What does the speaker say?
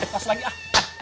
kas lagi ah